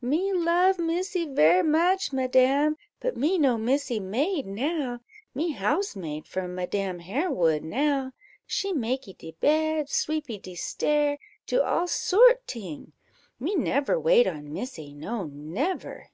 "Me love Missy ver much, madam, but me no Missy maid now; me housemaid for madam Harewood now; me makee de bed, sweepy de stair, do all sort ting; me never wait on Missy, no, never."